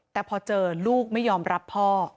แต่พอเจอลูกไม่ยอมรับพ่อ